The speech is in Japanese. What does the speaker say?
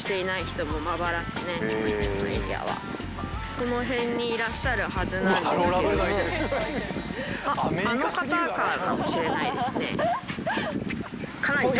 この辺にいらっしゃるはずなんですけども。